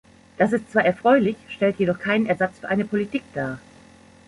Das ist zwar erfreulich, stellt jedoch keinen Ersatz für eine Politik dar.